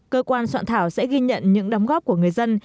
cơ quan soạn thảo sẽ ghi nhận những đóng góp của người dân